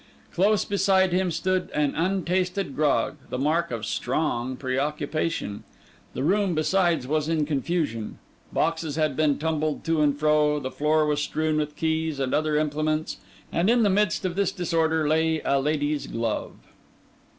Close beside him stood an untasted grog, the mark of strong preoccupation. The room besides was in confusion: boxes had been tumbled to and fro; the floor was strewn with keys and other implements; and in the midst of this disorder lay a lady's glove.